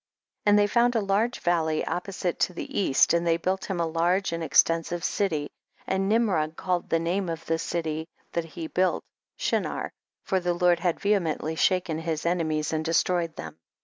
43. And they found a large valley opposite to the east, and they built him a large and extensive city, and Nimrod called the name of the city that he built iShinar, for the Lord had vehemently shaken his enemies and destroyed them, 44.